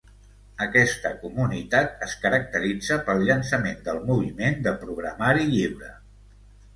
Aquesta comunitat es caracteritza pel llançament del moviment de programari lliure.